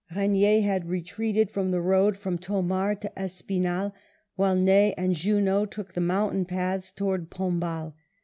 Eegnier had retreated by the road from Thomar to Espinhal, while Ney and Junot took the mountain . paths towards Pombal.